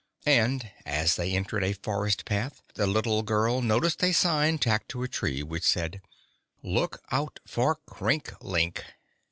And, as they entered a forest path, the little girl noticed a sign tacked to a tree, which said: "Look out for Crinklink."